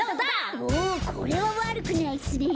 おおこれはわるくないっすね。